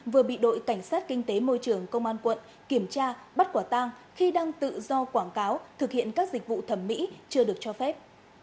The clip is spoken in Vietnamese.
vừa bị đội cảnh sát kinh tế môi trường công an quận kiểm tra bắt quả tang khi đang tự do quảng cáo thực hiện các dịch vụ thẩm mỹ chưa được cho phép